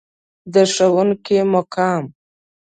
د ښوونکي مقام.